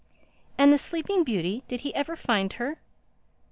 "And The Sleeping Beauty?—did he ever find her?"